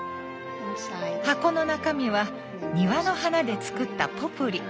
箱の中身は庭の花で作ったポプリ。